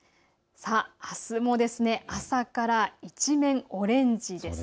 あすも朝から一面、オレンジです。